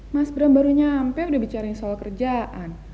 mas bram baru nyampe udah bicarain soal kerjaan